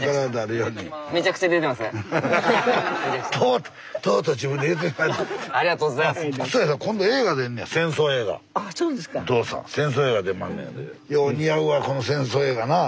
よう似合うわこの戦争映画なあ？